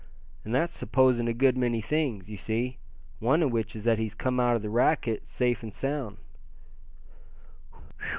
And that's supposing a good many things, you see, one of which is that he's come out of the racket safe and sound."